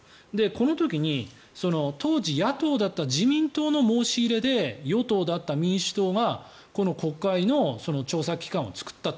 この時に、当時、野党だった自民党の申し入れで与党だった民主党がこの国会の調査機関を作った。